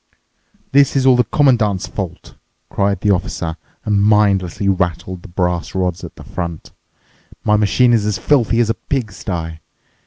"This is all the Commandant's fault!" cried the officer and mindlessly rattled the brass rods at the front. "My machine's as filthy as a pigsty."